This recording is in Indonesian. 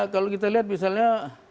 kalau kita lihat misalnya